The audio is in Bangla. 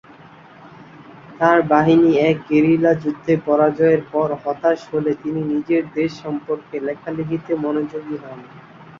তার বাহিনী এক গেরিলা যুদ্ধে পরাজয়ের পর হতাশ হলে তিনি নিজের দেশ সম্পর্কে লেখালেখিতে মনোযোগী হন।